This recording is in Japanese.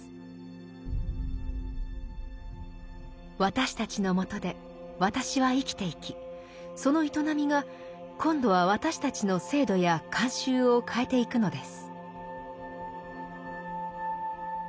私たちのもとで私は生きていきその営みが今度は私たちの制度や慣習を変えていくのです。